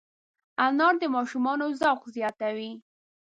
انار د ماشومانو ذوق زیاتوي.